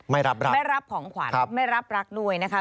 ไม่รับรักไม่รับของขวัญไม่รับรักด้วยนะคะ